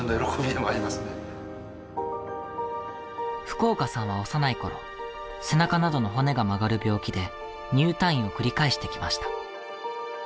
福岡さんは幼い頃背中などの骨が曲がる病気で入退院を繰り返してきました。